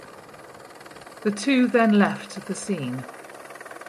The two then left the scene.